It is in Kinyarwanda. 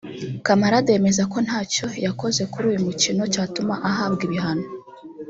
Camarade yemeza ko ntacyo yakoze kuri uyu mukino cyatuma ahabwa ibihano